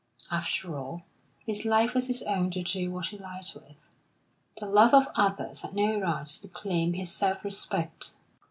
After all, his life was his own to do what he liked with; the love of others had no right to claim his self respect.